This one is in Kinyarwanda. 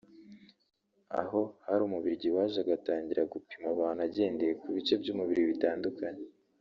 aho hari umubiligi waje agatangira gupima abantu agendeye ku bice by’umubiri bitandukanye